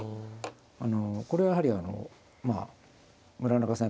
あのこれはやはりあのまあ村中さん